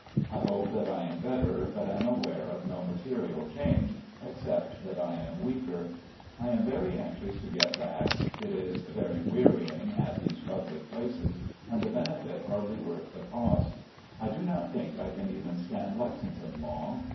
I hope that I am better, but am aware of no material change, except that I am weaker. I am very anxious to get back. It is very wear5dng at these public places and the benefit hardly worth the cost. I do not think I can even stand Lexington long.